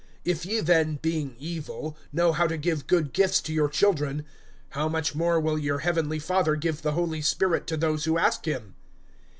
(13)If ye then, being evil, know how to give good gifts to your children, how much more will your heavenly Father give the Holy Spirit to those who ask him?